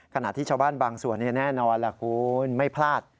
ขณะที่ชาวบ้านบางส่วนแน่นอนล่ะคุณไม่พลาด